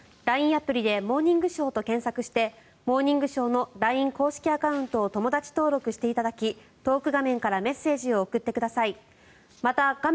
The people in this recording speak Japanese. アプリで「モーニングショー」と検索をして「モーニングショー」のＬＩＮＥ公式アカウントを友だち登録していただきトーク画面からメッセージを送ってください。